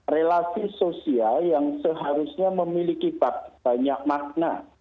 relasi sosial yang seharusnya memiliki banyak makna